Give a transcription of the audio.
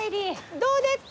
どうでっか？